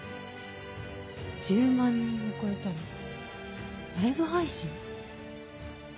１０万人を超えたらライブ配信？